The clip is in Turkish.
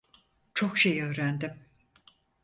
Çok şey öğrendim.